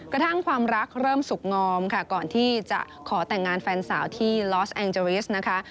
กระทั่งความรักเริ่มสุขงอมค่ะก่อนที่จะขอแต่งงานแฟนสาวที่ลอสแองเจริสนะคะ